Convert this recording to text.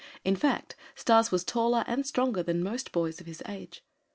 In fact, Stas was taller and stronger than most boys of his age.